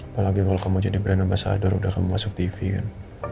apalagi kalau kamu jadi brand ambasador udah kamu masuk tv kan